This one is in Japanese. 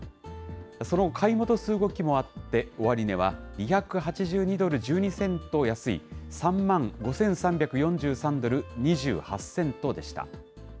その買い戻す動きもあって、終値は２８２ドル１２セント安い３万５４３０万ドル２８セントでした。